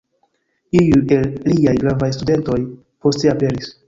Iuj el liaj gravaj studentoj poste aperis.